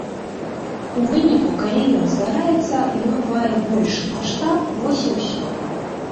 У выніку, калі ён здараецца, ён мае большы маштаб, вось і ўсё.